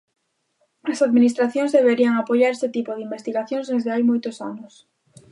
As Administracións deberían apoiar este tipo de investigacións desde hai moitos anos.